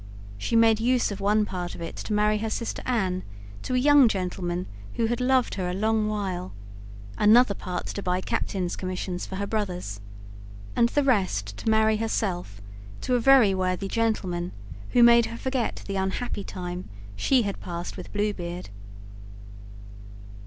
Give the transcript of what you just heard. She made use of one part of it to marry her sister Anne to a young gentleman who had loved her a long while; another part to buy captains' commissions for her brothers, and the rest to marry herself to a very worthy gentleman, who made her forget the unhappy time she had passed with Blue Beard.